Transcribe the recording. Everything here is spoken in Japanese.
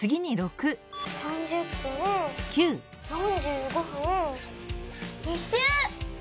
３０分４５分一周！